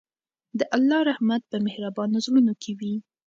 د الله رحمت په مهربانو زړونو کې وي.